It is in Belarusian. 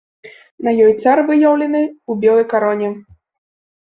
На ёй цар выяўлены ў белай кароне.